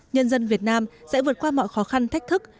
nhân dân việt nam sẽ vượt qua mọi khó khăn thách thức